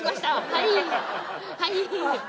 はいはい。